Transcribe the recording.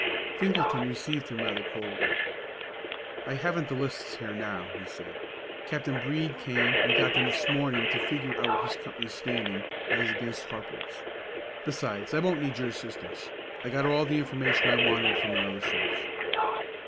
Finkelton received him rather coldly. "I haven't the lists here now," he said. "Captain Brede came and got them this morning to figure out his company's standing as against Harple's. Besides, I won't need your assistance; I got all the information I wanted from another source."